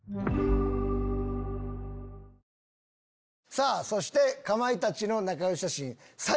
さぁそしてかまいたちの仲良し写真。